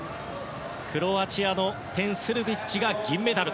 クロアチアのテン・スルビッチが銀メダル。